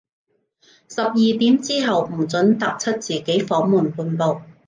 十二點之後，唔准踏出自己房門半步